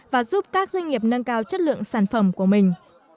và giúp các doanh nghiệp nâng cao chất lượng sản phẩm của mình